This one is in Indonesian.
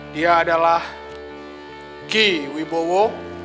dia adalah gi wibowo